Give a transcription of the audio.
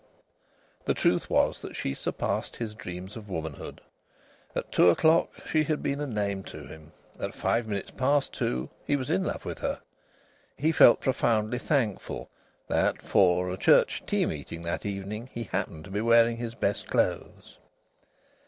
The truth was that she surpassed his dreams of womanhood. At two o'clock she had been a name to him. At five minutes past two he was in love with her. He felt profoundly thankful that, for a church tea meeting that evening, he happened to be wearing his best clothes.